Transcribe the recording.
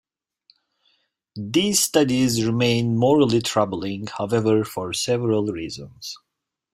These studies remain morally troubling, however, for several reasons.